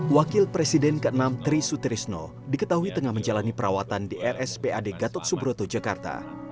wakil presiden ke enam tri sutrisno diketahui tengah menjalani perawatan di rspad gatot subroto jakarta